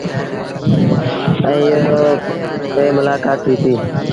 ائيٚݩ رو پئيٚ ملآڪآت ٿيٚتيٚ۔